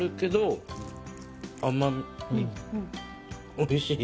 おいしい。